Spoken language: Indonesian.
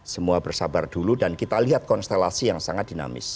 semua bersabar dulu dan kita lihat konstelasi yang sangat dinamis